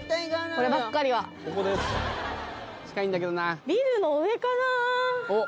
近いんだけどなおっ！